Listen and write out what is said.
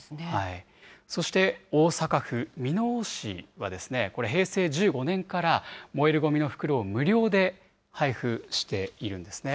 そして、大阪府箕面市は、平成１５年から燃えるごみの袋を無料で配布しているんですね。